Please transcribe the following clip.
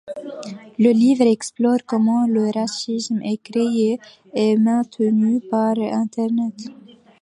Le livre explore comment le racisme est créé et maintenu par Internet.